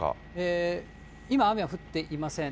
今、雨は降っていません。